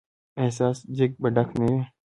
ایا ستاسو دیګ به ډک نه وي؟